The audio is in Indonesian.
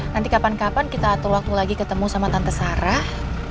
nanti kapan kapan kita atur waktu lagi ketemu sama tante sarah